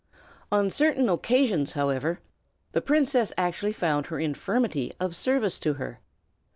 On certain occasions, however, the princess actually found her infirmity of service to her.